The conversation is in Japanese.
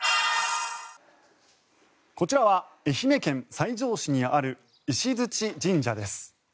こちらは愛媛県西条市にある石鎚神社です。